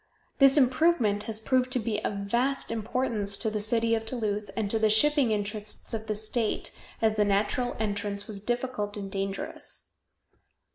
This improvement has proved to be of vast importance to the city of Duluth and to the shipping interests of the state, as the natural entrance was difficult and dangerous.